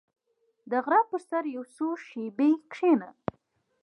• د غره پر سر یو څو شېبې کښېنه.